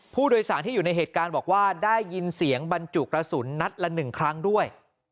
ผู้โดยสารที่อยู่ในเหตุการณ์บอกว่าได้ยินเสียงบรรจุกระสุนนัดละ๑ครั้งด้วย